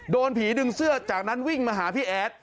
โดนผีดึงเสื้อจากนั้นวิ่งมาหาพี่แอด